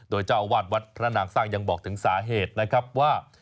โดยเจ้าอาวาสวัดพระนางสร้างยังบอกถึงสาเหตุนะครับว่า